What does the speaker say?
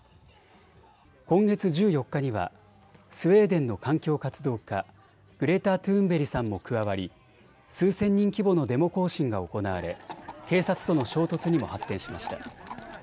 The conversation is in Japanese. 今月１４日にはスウェーデンの環境活動家、グレタ・トゥーンベリさんも加わり、数千人規模のデモ行進が行われ警察との衝突にも発展しました。